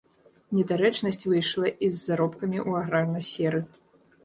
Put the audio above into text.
Недарэчнасць выйшла і з заробкамі ў аграрнай сферы.